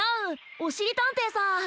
おしりたんていさん！